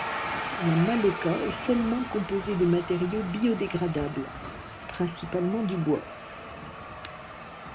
La maloca est seulement composée de matériaux biodégradables, principalement du bois.